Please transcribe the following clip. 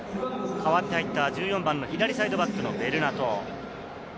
代わって入った１４番の左サイドバックのベルナト。